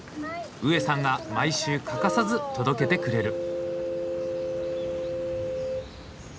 ウエさんが毎週欠かさず届けてくれる。